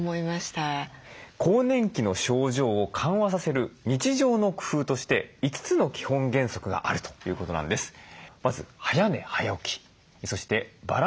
更年期の症状を緩和させる日常の工夫として５つの基本原則があるということなんです。